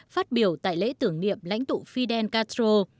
phát biểu tại lễ tưởng niệm lãnh tụ fidel castro